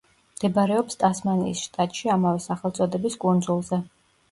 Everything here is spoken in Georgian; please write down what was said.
მდებარეობს ტასმანიის შტატში ამავე სახელწოდების კუნძულზე.